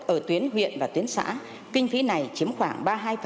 ở tuyến huyện và tuyến xã kinh phí này chiếm khoảng ba mươi hai